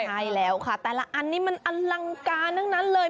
ใช่แล้วค่ะแต่ละอันนี้มันอลังการทั้งนั้นเลย